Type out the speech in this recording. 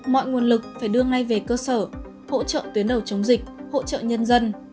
mọi nguồn lực phải đưa ngay về cơ sở hỗ trợ tuyến đầu chống dịch hỗ trợ nhân dân